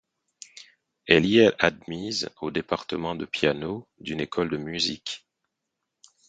Elle y est admise au département de piano d'une école de musique.